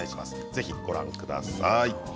ぜひご覧ください。